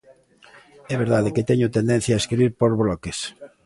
É verdade que teño tendencia a escribir por bloques.